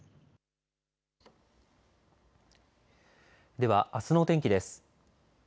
では、あすの天気です。